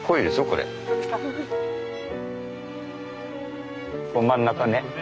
これ真ん中ね。